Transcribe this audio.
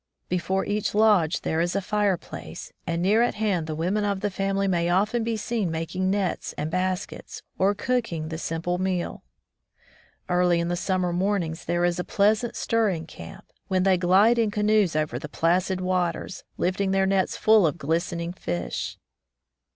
Before each lodge there is a fireplace, and near at hand the women of the family may often be seen making nets and baskets, or cooking the simple meal. Early in the summer mornings there is a pleasant stir in camp, when they glide in canoes over the placid waters, lifting their nets full of glistening fish.